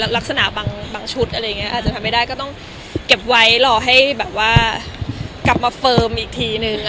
ลักษณะบางชุดอาจจะทำไม่ได้ก็ต้องเก็บไว้รอให้กลับมาเฟิร์มอีกทีหนึ่ง